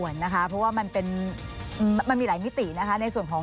เซ็นไม่ได้อ่าน